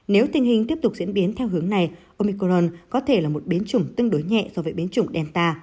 nếu tình hình tiếp tục diễn biến theo hướng này omicron có thể là một biến chủng tương đối nhẹ so với biến chủng delta